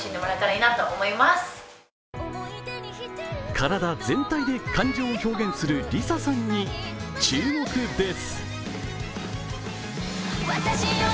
体全体で感情を表現するＬｉＳＡさんに注目です。